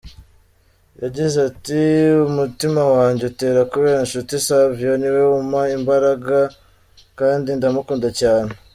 Yagize ati “Umutima wanjye utera kubera Nshuti Savio, niwe umpa imbaraga kandi ndamukunda cyane.